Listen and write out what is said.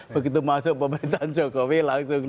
dua puluh begitu masuk pemerintahan jokowi langsung empat puluh satu